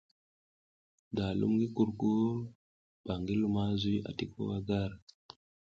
Da a lum gi kurkur mba ngi luma zuy ati ko wa gar.